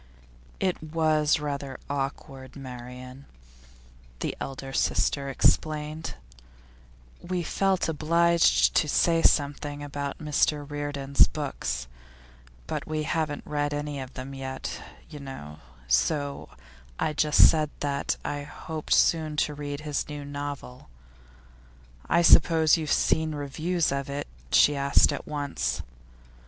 'It was rather awkward, Marian,' the elder sister explained. 'We felt obliged to say something about Mr Reardon's books, but we haven't read any of them yet, you know, so I just said that I hoped soon to read his new novel. "I suppose you have seen reviews of it?" she asked at once.